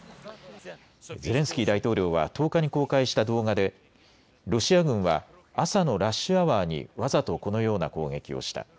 ゼレンスキー大統領は１０日に公開した動画でロシア軍は朝のラッシュアワーにわざとこのような攻撃をした。